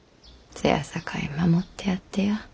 せやさかい守ってやってや。